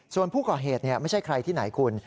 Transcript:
ส่วนผู้ก่อเหตุไม่ใช่ใครที่ไหนคุณ